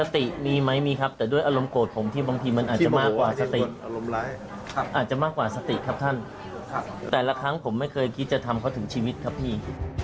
แต่ละครั้งผมไม่เคยคิดจะทำเขาถึงชีวิตครับพี่